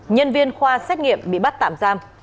nhân viên khoa xét nghiệm bị bắt tạm giam